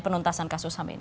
pada saat ini